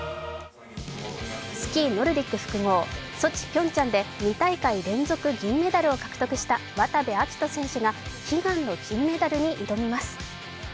スキー・ノルディック複合、ソチ、ピョンチャンで２大会連続で銀メダルを獲得した渡部暁斗選手が悲願の金メダルに挑みます。